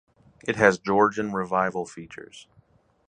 It has Georgian Revival features.